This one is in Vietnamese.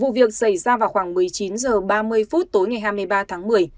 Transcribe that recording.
vụ việc xảy ra vào khoảng một mươi chín h ba mươi phút tối ngày hai mươi ba tháng một mươi